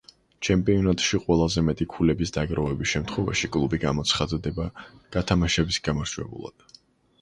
ჩემპიონატში ყველაზე მეტი ქულების დაგროვების შემთხვევაში, კლუბი გამოცხადდება გათამაშების გამარჯვებულად.